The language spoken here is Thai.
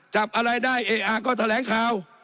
จับอะไรได้เอ๊ะอ่ะก็แถลงข่าว